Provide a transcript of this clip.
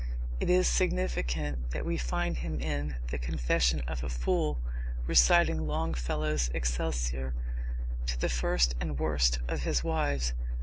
It is significant that we find him in The Confession of a Fool reciting Longfellow's Excelsior to the first and worst of his wives.